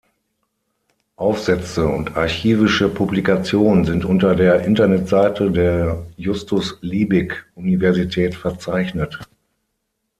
Aufsätze und archivische Publikationen sind unter der Internetseite der Justus Liebig-Universität verzeichnet.